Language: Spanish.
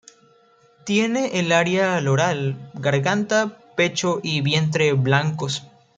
Tiene el área loral, garganta, pecho y vientre blancos.